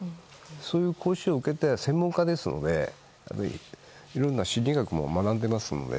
そういう講習を受けて専門家ですのでいろんな心理学も学んでますので。